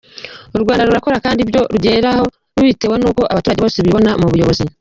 U Rwanda rurakora kandi ibyo rugeraho rubiterwa n’uko abaturage bose bibona mu buyobozi.